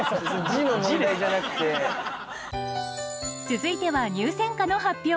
続いては入選歌の発表。